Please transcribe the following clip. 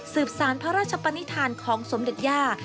สารพระราชปนิษฐานของสมเด็จย่า